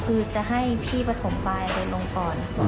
คือจะให้พี่ปฐมปลายไปลงก่อน